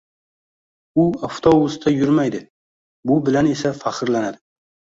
U avtobusda yurmaydi, bu bilan esa faxrlanadi